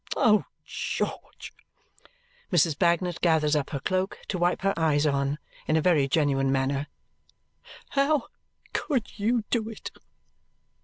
Oh, George!" Mrs. Bagnet gathers up her cloak to wipe her eyes on in a very genuine manner, "How could you do it?"